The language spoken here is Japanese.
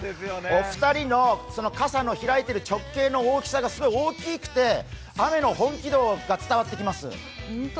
お二人の傘の開いている直径の大きさがすごく大きくて雨の本気度が伝わってきます。